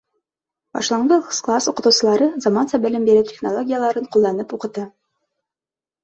Башланғыс класс уҡытыусылары заманса белем биреү технологияларын ҡулланып уҡыта.